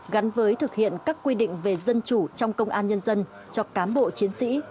gắn với thực hiện các quy định về dân chủ trong công an nhân dân cho cám bộ chiến sĩ